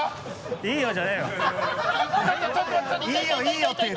「いいよいいよ」って。